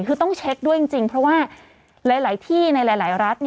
คือต้องเช็คด้วยจริงเพราะว่าหลายที่ในหลายรัฐ